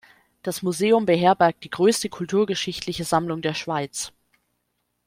Das Museum beherbergt die grösste kulturgeschichtliche Sammlung der Schweiz.